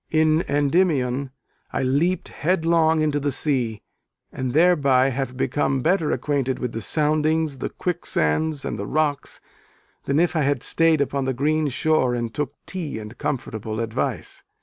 In Endymion I leaped headlong into the sea, and thereby have become better acquainted with the soundings, the quicksands, and the rocks, than if I had stayed upon the green shore and took tea and comfortable advice.